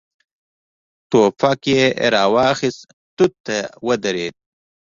ټوپک يې را واخيست، توت ته ودرېد.